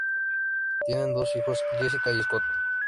Tienen dos hijos, Jessica y Scott.